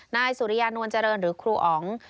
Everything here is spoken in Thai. นายสุริยานวลเจริญหรือครูอ๋อง